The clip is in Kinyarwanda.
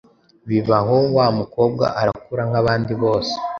Biba aho wa mukobwa arakura nk’abandi bose.